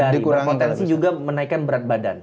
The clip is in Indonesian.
dari berpotensi juga menaikkan berat badan